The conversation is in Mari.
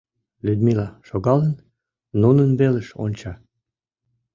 Людмила, шогалын, нунын велыш онча.